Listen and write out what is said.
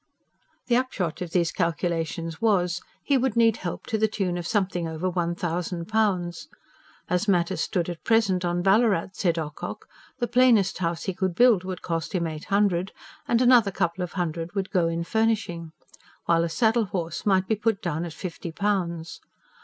The upshot of these calculations was: he would need help to the tune of something over one thousand pounds. As matters stood at present on Ballarat, said Ocock, the plainest house he could build would cost him eight hundred; and another couple of hundred would go in furnishing; while a saddle horse might be put down at fifty pounds.